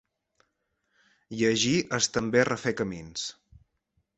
Llegir és també refer camins.